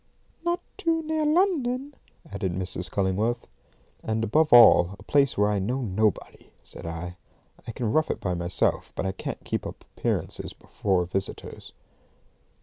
"Not too near London," added Mrs. Cullingworth. "And, above all, a place where I know nobody," said I. "I can rough it by myself, but I can't keep up appearances before visitors."